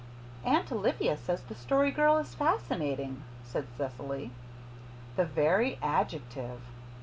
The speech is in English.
"Aunt Olivia says the Story Girl is fascinating," said Cecily. The very adjective!